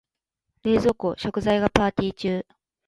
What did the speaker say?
冷蔵庫、食材がパーティ中。